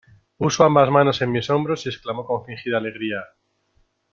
puso ambas manos en mis hombros y exclamó con fingida alegría: